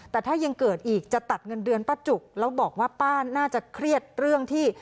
แต่ถ้ายังเกิดอีกจะตัดเงินเดือนป้าจุกแล้วบอกว่าป้าน่าจะเครียดเรื่องที่